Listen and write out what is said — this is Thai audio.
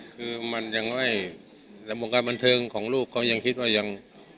คือมันยังไว้แต่บวกการบันเทิงของลูกเขายังคิดว่ายัง